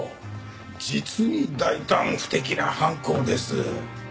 実に大胆不敵な犯行です。